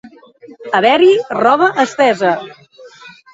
Haver-hi roba estesa.